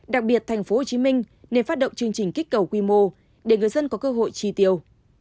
đặc biệt tp hcm nên phát động chương trình kích cầu quy mô để người dân có cơ hội tri tiêu